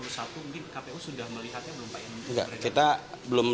mungkin kpu sudah melihatnya belum pak ya